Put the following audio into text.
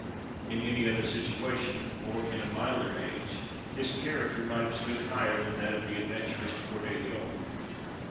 In any other situation, or in a milder age, his character might have stood higher than that of the adventurous Coeur de Lion.